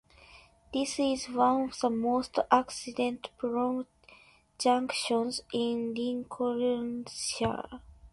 This is one of the most accident-prone junctions in Lincolnshire.